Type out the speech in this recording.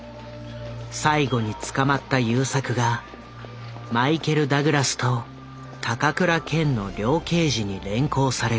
最後に捕まった優作がマイケル・ダグラスと高倉健の両刑事に連行される大阪府警のシーン。